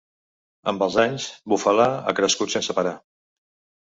Amb els anys, Bufalà ha crescut sense parar.